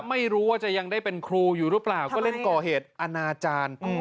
ไม่รู้ว่าจะยังได้เป็นครูอยู่หรือเปล่าก็เล่นก่อเหตุอนาจารย์